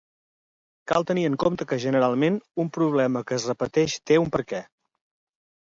Cal tenir en compte que generalment, un problema que es repeteix té un perquè.